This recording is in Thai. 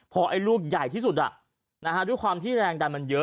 พอไอ้ลูกใหญ่ที่สุดด้วยความที่แรงดันมันเยอะ